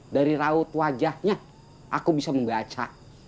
dari raut wajahnya aku bisa membaca